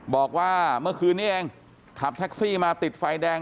บอกว่าเมื่อคืนนี้เองขับแท็กซี่มาติดไฟแดง